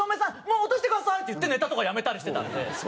もう落としてください」って言ってネタとかやめたりしてたんで。